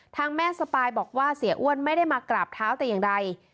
ทางแม่สปายบอกว่าเสียอ้วนไม่ได้มากราบเท้าแต่อย่างใด